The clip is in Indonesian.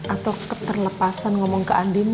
atau keterlepasan ngomong ke andin